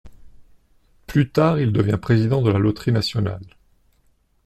Plus tard il devient président de la loterie nationale.